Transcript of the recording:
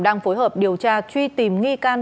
đang phối hợp điều tra truy tìm nghi can